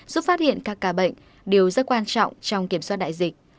giúp phát hiện các ca bệnh điều rất quan trọng trong kiểm soát đại dịch